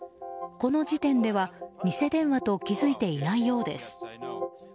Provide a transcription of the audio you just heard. この時点では偽電話と気づいていないようです。